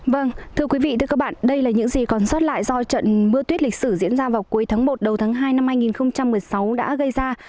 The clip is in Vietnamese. vâng thưa quý vị thưa các bạn đây là những gì còn sót lại do trận mưa tuyết lịch sử diễn ra vào cuối tháng một đầu tháng hai năm hai nghìn một mươi sáu đã gây ra